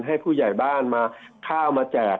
ให้ผู้ใหญ่บ้านมาข้าวมาแจก